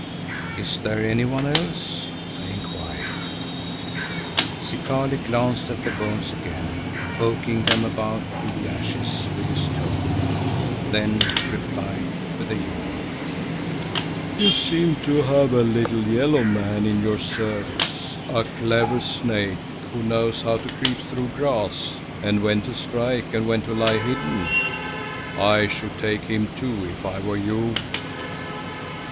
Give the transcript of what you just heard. "Is there anyone else?" I inquired. Zikali glanced at the bones again, poking them about in the ashes with his toe, then replied with a yawn, "You seem to have a little yellow man in your service, a clever snake who knows how to creep through grass, and when to strike and when to lie hidden. I should take him too, if I were you."